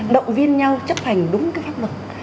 động viên nhau chấp hành đúng pháp luật